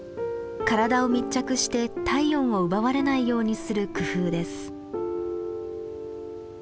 体を密着して体温を奪われないようにする工夫です。